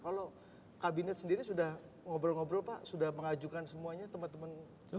kalau kabinet sendiri sudah ngobrol ngobrol pak sudah mengajukan semuanya teman teman